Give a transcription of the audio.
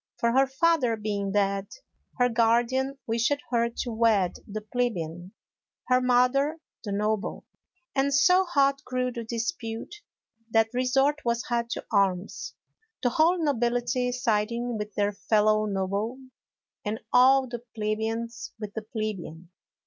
For her father being dead, her guardian wished her to wed the plebeian, her mother the noble. And so hot grew the dispute that resort was had to arms, the whole nobility siding with their fellow noble, and all the plebeians with the plebeian.